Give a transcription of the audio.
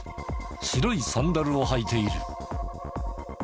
白いサンダルを履いている。